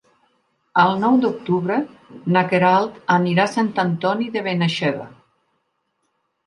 El nou d'octubre na Queralt anirà a Sant Antoni de Benaixeve.